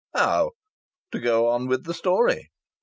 How?" "To go on with the story."